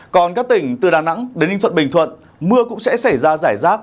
còn các tỉnh từ đà nẵng đến ninh thuận bình thuận mưa cũng sẽ xảy ra giải rác